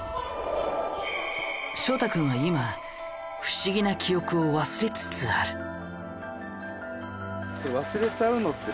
翔太君は今不思議な記憶を忘れつつある。